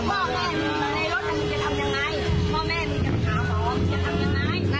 มันเรื่องของเขา